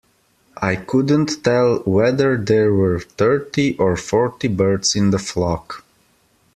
I couldn't tell whether there were thirty or forty birds in the flock